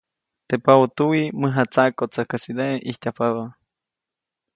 Teʼ paʼutuwi mäjatsaʼkotsäjkäsideʼe ʼijtyajpabä.